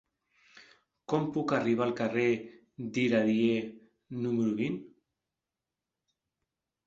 Com puc arribar al carrer d'Iradier número vint?